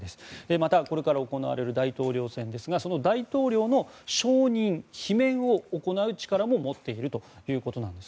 また、これから行われる大統領選ですがその大統領の承認、罷免を行う力も持っているということです。